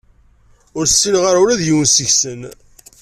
Ur ssineɣ ula d yiwen seg-sen.